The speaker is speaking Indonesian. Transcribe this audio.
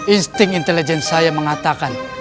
insting intelijen saya mengatakan